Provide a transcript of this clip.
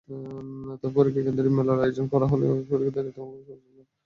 তবে পরীক্ষা কেন্দ্রে মেলার আয়োজন করা হলেও পরীক্ষার্থীদের তেমন সমস্যা হচ্ছে না।